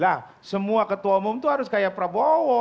nah semua ketua umum itu harus kayak prabowo